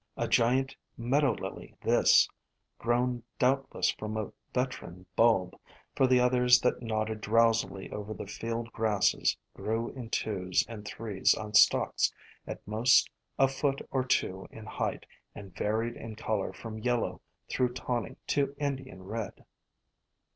A giant Meadow Lily this, grown doubt less from a veteran bulb, for the others that nod ded drowsily over the field grasses grew in twos and threes on stalks at most a foot or two in height and varied in color from yellow through tawny to Indian red.